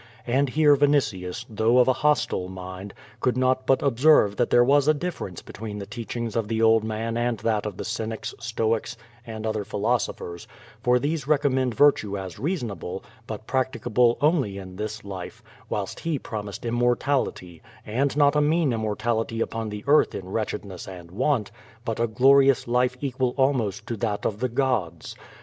And here Vinitius, though of a hostile mind, could not but observe that there was a difference between the teachings of the old man and that of the Cynics, Stoics, and other philosophers; for these recommend virtue as reasonable, but practicable only in this life, whilst he promised immortality, and not a mean immortality upon the earth in wretchedness and want, but a glorious life equal almost to that of the gods.